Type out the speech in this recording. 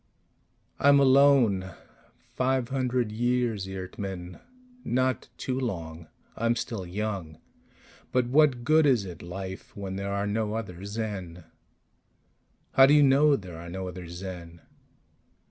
"I'm alone. Five hundred years, Eert mn not too long. I'm still young. But what good is it life when there are no other Zen?" "How do you know there are no other Zen?"